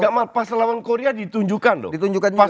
tidak malah pas lawan korea ditunjukkan